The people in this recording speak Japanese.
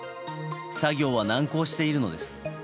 作業は難航しているのです。